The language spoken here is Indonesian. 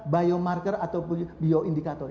biomarker atau bioindikator